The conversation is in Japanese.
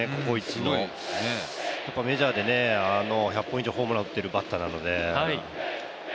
メジャーで１００本以上ホームランを打っているバッターなので。